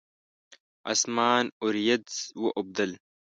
اسمان اوریځ واوبدل